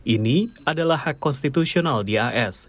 ini adalah hak konstitusional di as